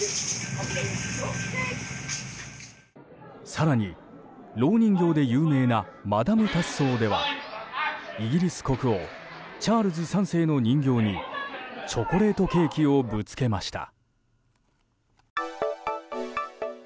更に、ろう人形で有名なマダム・タッソーではイギリス国王チャールズ３世の人形にチョコレートケーキをぶつけました。